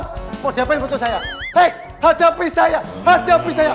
buang muka anda baiklah ini artinya anda nantang kamu atau mau se superbaknya